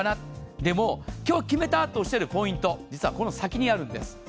でも、今日決めたとおっしゃるポイント実はこの先にあるんです。